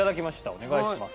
お願いします。